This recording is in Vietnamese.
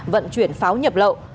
vận chuyển pháo nhập lậu